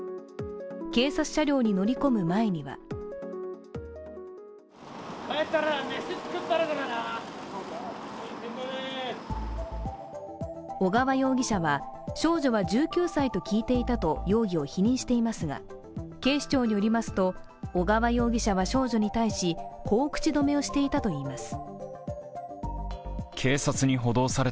警察車両に乗り込む前には小川容疑者は、少女は１９歳と聞いていたと容疑を否認していますが警視庁によりますと小川容疑者は少女に対しこう口止めをしていたといいます。